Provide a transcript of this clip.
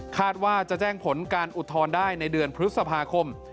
ว่าจะแจ้งผลการอุทธรณ์ได้ในเดือนพฤษภาคม